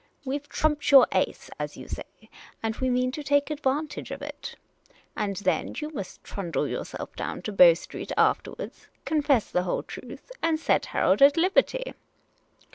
We 've trumped your ace, as you say, and we mean to take advantage of it. And then you must trundle yourself down to Bow Street afterwards, confess the whole truth, and set Harold at liberty.